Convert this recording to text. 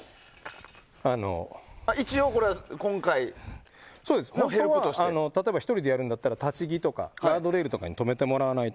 一応、今回ヘルプとして。例えば１人でやるんだったら立ち木とかガードレールとかに留めてもらわないと。